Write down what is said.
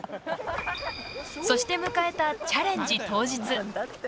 そして迎えた、チャレンジ当日。